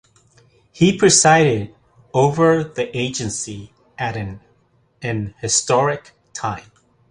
He presided over the agency at an historic time.